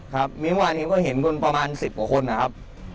ครับเมี้ยวขวานก็เห็นถึงประมาณ๑๐กว่าคนนะครับ